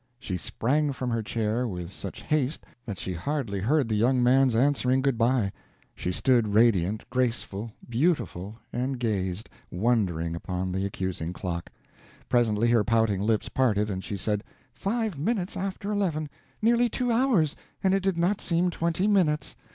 She sprang from her chair with such haste that she hardly heard the young man's answering good by. She stood radiant, graceful, beautiful, and gazed, wondering, upon the accusing clock. Presently her pouting lips parted, and she said: "Five minutes after eleven! Nearly two hours, and it did not seem twenty minutes!